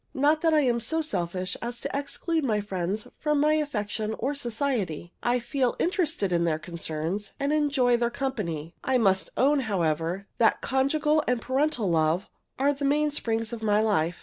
Not that I am so selfish as to exclude my friends from my affection or society. I feel interested in their concerns, and enjoy their company. I must own, however, that conjugal and parental love are the mainsprings of my life.